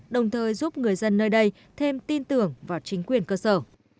đồng thời giúp người dân nơi đây thêm tin tưởng vào chính quyền cơ sở